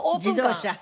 自動車？